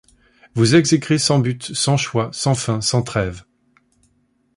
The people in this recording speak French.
Vous exécrez sans but, sans choix, sans fin, sans trève